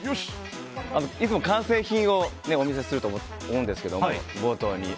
いつも完成品をお見せすると思うんですけども、冒頭に。